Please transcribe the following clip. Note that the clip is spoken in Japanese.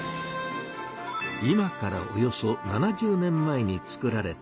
今からおよそ７０年前に作られたエアコンです。